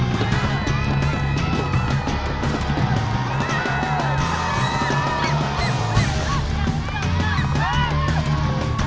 warisan ia menyeliparkan di denyyt kali ini